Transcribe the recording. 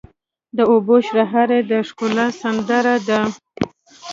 د اوبو شرهاری د ښکلا سندره ده.